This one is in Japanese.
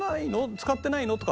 使ってないの？」とか。